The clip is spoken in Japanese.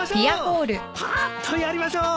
パーッとやりましょう！